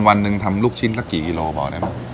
วันหนึ่งทำลูกชิ้นสักกี่กิโลบอกได้ไหม